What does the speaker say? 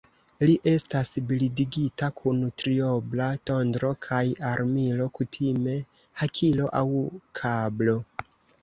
Li estas bildigita kun triobla tondro kaj armilo, kutime hakilo aŭ kablo.